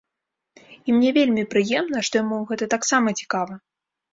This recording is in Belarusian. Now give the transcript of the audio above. І мне вельмі прыемна, што яму гэта таксама цікава!